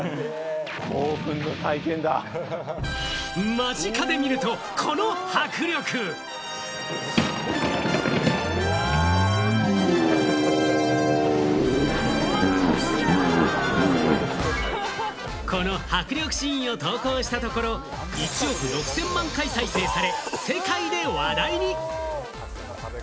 間近で見ると、この迫力！この迫力シーンを投稿したところ、１億６０００万回再生され、世界で話題に。